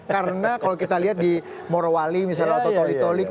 karena kalau kita lihat di morowali misalnya atau tolik tolik